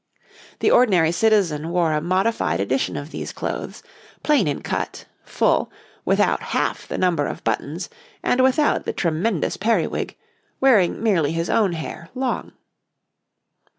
The ordinary citizen wore a modified edition of these clothes plain in cut, full, without half the number of buttons, and without the tremendous periwig, wearing merely his own hair long.